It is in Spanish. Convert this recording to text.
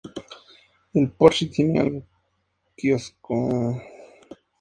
El porche tiene algo de quiosco, de invernadero sin cristales.